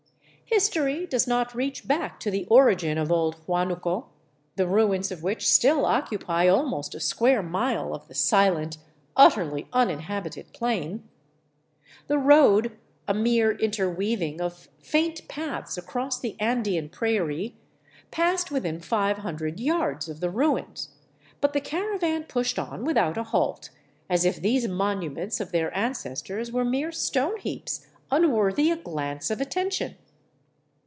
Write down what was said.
History does not reach back to the origin of old Huanuco, the ruins of which still oc cupy almost a square mile of the silent, utterly uninhabited plain. J The road — a mere interweaving of faint paths across the Andean prairie — passed within five hundreds yards of the ruins, but the caravan pushed on without a halt, as if thest monuments of their an cestors were mere stone heaps, unworthy a glance of attention.